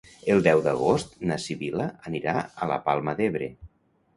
El deu d'agost na Sibil·la anirà a la Palma d'Ebre.